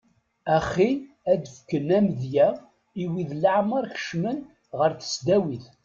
Axi ad d-ffken amedya i wid leɛmer kecmen ɣer tesdawit.